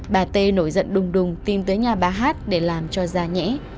bà tê nổi giận đùng đùng tin tới nhà bà hát để làm cho ra nhẽ